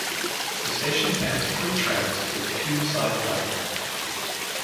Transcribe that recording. The station has three tracks with two side platforms.